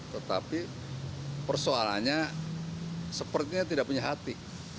tetapi persoalannya sepertinya tidak punya hati